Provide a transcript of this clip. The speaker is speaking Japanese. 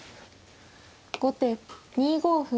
後手２五歩。